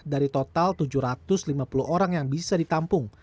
dari total tujuh ratus lima puluh orang yang bisa ditampung